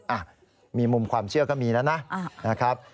อ่ะมีมุมความเชื่อก็มีแล้วนะนะครับ